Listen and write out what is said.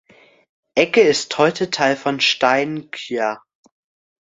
Egge ist heute Teil von Steinkjer.